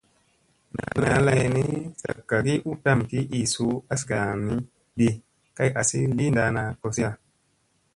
ɴaa lay ni sa kagi u tam ki ii suu azagani ɗi kay azi li ndaana koziya.